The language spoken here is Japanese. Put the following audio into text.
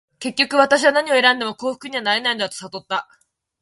結局、私は何を選んでも幸福にはなれないのだと悟った。